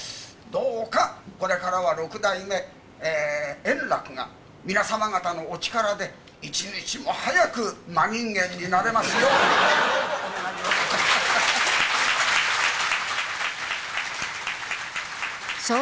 どうかこれからは六代目円楽が、皆様方のお力で、一日も早く間人間になれますよう、お願いをいたします。